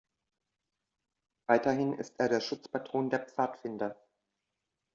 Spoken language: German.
Weiterhin ist er der Schutzpatron der Pfadfinder.